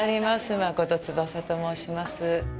真琴つばさと申します。